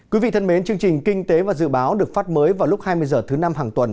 quý vị thân mến chương trình kinh tế và dự báo được phát mới vào lúc hai mươi h thứ năm hàng tuần